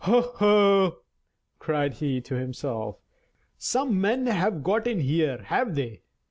"Ho! ho!" cried he to himself, "some men have got in here, have they?